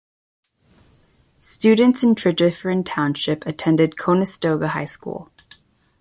Students in Tredyffrin Township attend Conestoga High School.